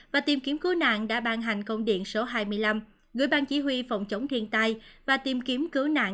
và tiêm kiếm cứu nạn đã ban hành công điện số hai mươi năm gửi ban chỉ huy phòng chống thiên tai và tiêm kiếm cứu nạn